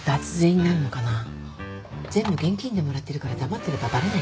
全部現金でもらってるから黙ってればバレないか。